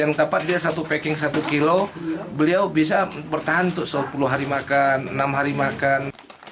yang tepat dia satu packing satu kilo beliau bisa bertahan untuk sepuluh hari makan enam hari makan